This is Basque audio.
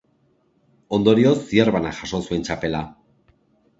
Ondorioz Zierbenak jaso zuen txapela.